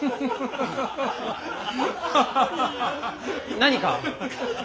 何か？